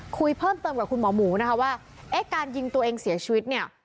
คุยเพิ่มเติมกับคุณหมอหมูนะคะว่าเอ๊ะการยิงตัวเองเสียชีวิตเนี่ย